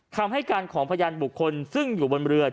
คำให้การของพยานบุคคลซึ่งอยู่บนเรือ